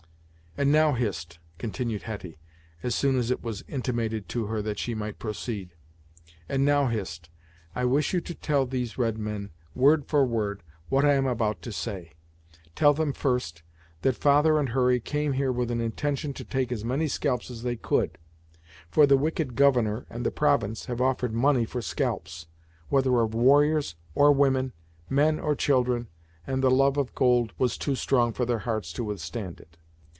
"And, now, Hist," continued Hetty, as soon as it was intimated to her that she might proceed, "and, now, Hist, I wish you to tell these red men, word for word, what I am about to say. Tell them first, that father and Hurry came here with an intention to take as many scalps as they could, for the wicked governor and the province have offered money for scalps, whether of warriors, or women, men or children, and the love of gold was too strong for their hearts to withstand it.